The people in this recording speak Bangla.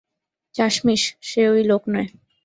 চাশমিশ, সে ওই লোক নয়।